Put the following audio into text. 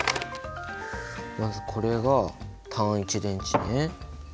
まずこれが単１電池ね。